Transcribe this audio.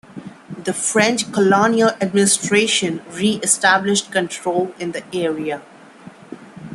The French colonial administration re-established control in the area.